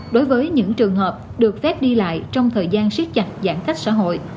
đối với những trường hợp được phép đi lại trong thời gian siết chặt giãn cách xã hội